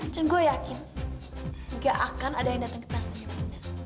dan gue yakin nggak akan ada yang datang ke pesta nge panda